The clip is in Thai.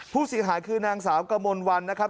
ผู้เสียหายคือนางสาวกมลวันนะครับ